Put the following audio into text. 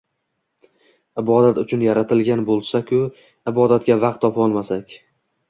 Ibodat uchun yaratilgan bo‘lsagu, ibodatga vaqt topa olmasak!?